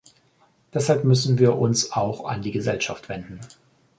Deshalb müssen wir uns auch an die Gesellschaft wenden.